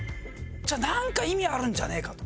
じゃあなんか意味あるんじゃねえかと。